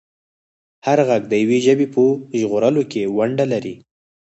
هر غږ د یوې ژبې په ژغورلو کې ونډه لري.